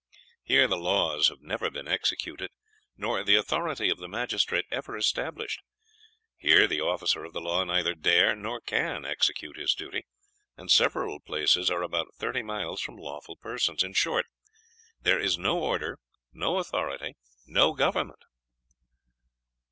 Here the laws have never been executed, nor the authority of the magistrate ever established. Here the officer of the law neither dare nor can execute his duty, and several places are about thirty miles from lawful persons. In short, here is no order, no authority, no government."